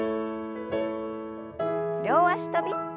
両脚跳び。